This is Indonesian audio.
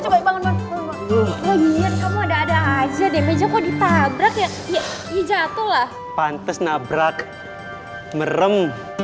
kamu ada aja deh meja kau ditabrak ya iya iya jatuhlah pantes nabrak merem